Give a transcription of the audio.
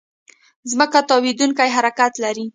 ځمکه تاوېدونکې حرکت لري.